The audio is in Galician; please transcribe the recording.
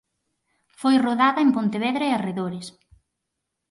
Foi rodada en Pontevedra e arredores.